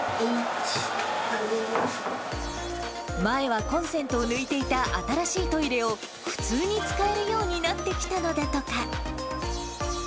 前はコンセントを抜いていた新しいトイレを普通に使えるようになってきたのだとか。